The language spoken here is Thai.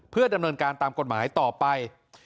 เพื่อดำเนินการตามกฎหมายต่อไป